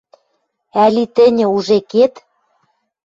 Ӓли тӹньӹ уже кет